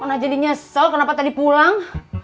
pernah jadi nyesel kenapa tadi pulang